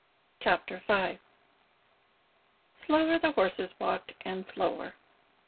CHAPTER V Slower the horses walked, and slower.